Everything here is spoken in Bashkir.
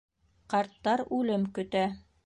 Ҡарттар үлем көтә.